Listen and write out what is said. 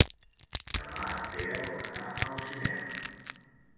Demà en Pere vol anar al cinema.